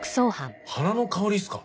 花の香りっすか？